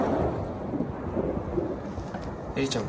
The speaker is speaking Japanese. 映里ちゃん